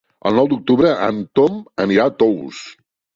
El nou d'octubre en Tom anirà a Tous.